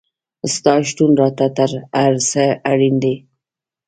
ستا شتون راته تر هر څه اړین دی